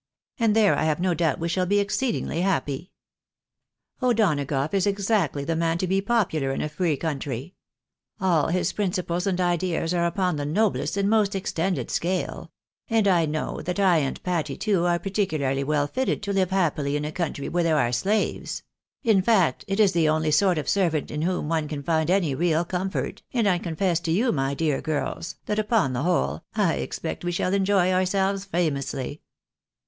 Ap^d there I have no doubt we shall be exceedingly happy. O'Do HC rough is exactly the man to be popular in a free country. All MiS principles and ideas are upon the noblest and most extended scale ; and I know that I and Patty, too, are particularly well fitted to live happily in a country where there are slaves ; in fact it is the only sort of servant in whom one can find any real comfort, and I confess to you, my dear girls, that upon the whole, I expect we shall enjoy ourselves famously."